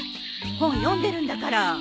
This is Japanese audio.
本読んでるんだから。